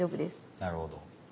なるほど。